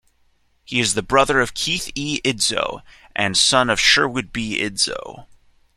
He is the brother of Keith E. Idso and son of Sherwood B. Idso.